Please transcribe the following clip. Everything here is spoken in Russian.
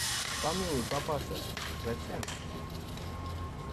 Помилуй, папаша, зачем?